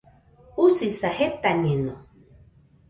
Usisa, jetañeno